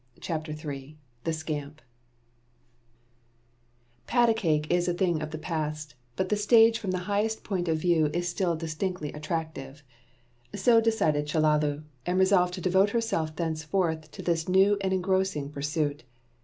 CHAPTER III The Scamp "PAT A CAKE is a thing of the past, but the stage from the highest point of view is still distinctly attractive"; so decided Chellalu, and resolved to devote herself thenceforth to this new and engrossing pursuit.